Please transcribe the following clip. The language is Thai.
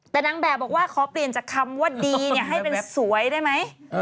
แต่นางแบบบอกว่าขอเปลี่ยนจากคำว่าดีให้เป็นสวยได้ไหม